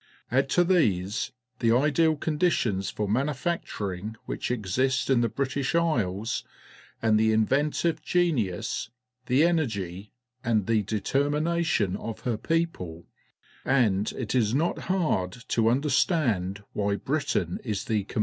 Add to these the ideal con ditions for manufactur ing which exist in the British Isles, and the in ventive gen ius, the en ergy, and the determina tion of her people, antl it is not hard to under stand why miles fr om the sea.